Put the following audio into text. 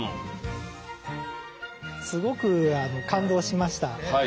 すごく感動しました。